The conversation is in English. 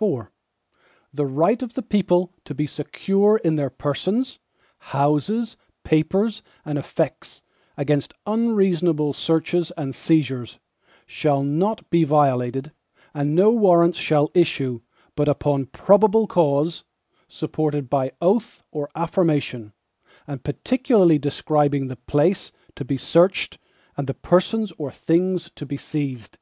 IV The right of the people to be secure in their persons, houses, papers, and effects, against unreasonable searches and seizures, shall not be violated, and no Warrants shall issue, but upon probable cause, supported by oath or affirmation, and particularly describing the place to be searched, and the persons or things to be seized.